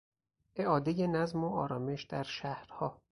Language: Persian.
اعادهی نظم و آرامش در شهرها